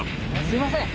すいません！